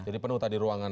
jadi penuh tadi ruangan